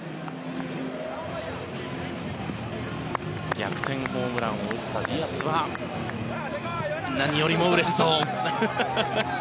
逆転ホームランを打ったディアスは何よりもうれしそう。